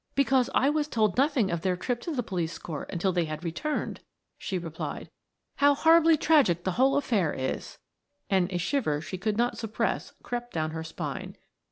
"Because I was told nothing of their trip to the police court until they had returned," she replied. "How horribly tragic the whole affair is!" And a shiver she could not suppress crept down her spine.